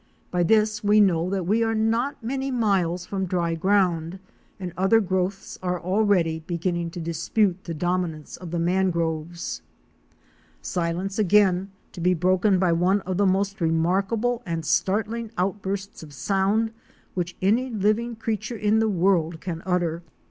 By this we know that we are not many miles from dry ground, and other growths are already beginning to dispute the dominance of the mangroves. Fic. 10. WHITE ORCHIDS. Silence again, to be broken by one of the most remarkable and startling outbursts of sound which any living creature in the world can utter.